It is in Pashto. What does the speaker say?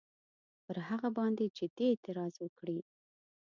پر هغه باندي جدي اعتراض وکړي.